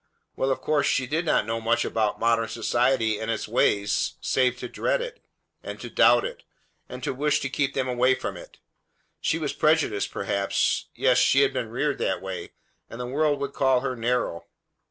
Well, of course she did not know much about modern society and its ways, save to dread it, and to doubt it, and to wish to keep them away from it. She was prejudiced, perhaps. Yes, she had been reared that way, and the world would call her narrow.